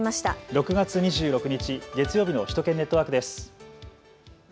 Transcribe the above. ６月２６日月曜日の首都圏ネットワークです。